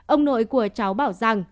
ông nội của cháu bảo rằng